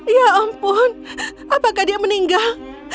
ya ampun apakah dia meninggal